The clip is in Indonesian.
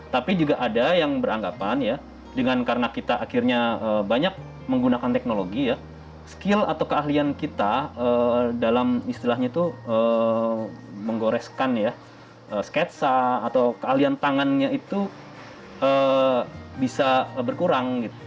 tapi juga ada yang beranggapan ya dengan karena kita akhirnya banyak menggunakan teknologi ya skill atau keahlian kita dalam istilahnya itu menggoreskan ya sketsa atau keahlian tangannya itu bisa berkurang gitu